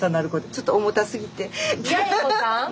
ちょっと重たすぎて。